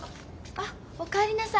あっお帰りなさい。